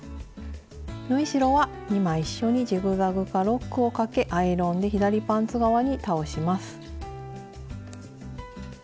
縫い代は２枚一緒にジグザグかロックをかけアイロンで左パンツ側に倒します。